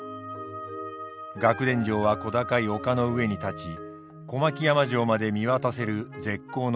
楽田城は小高い丘の上に建ち小牧山城まで見渡せる絶好の場所です。